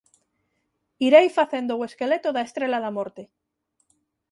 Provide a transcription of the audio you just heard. Irei facendo o esqueleto da Estrela da Morte.